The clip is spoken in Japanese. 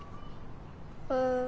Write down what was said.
うん。